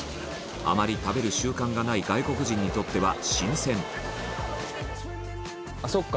あまり食べる習慣がない外国人にとっては、新鮮そっか！